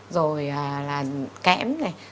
rồi là kém này